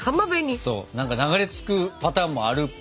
そう何か流れ着くパターンもあるっぽいよね。